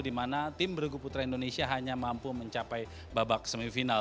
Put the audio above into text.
di mana tim bergu putra indonesia hanya mampu mencapai babak semifinal